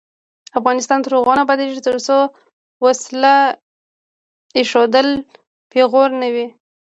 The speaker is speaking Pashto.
افغانستان تر هغو نه ابادیږي، ترڅو وسله ایښودل پیغور نه وي.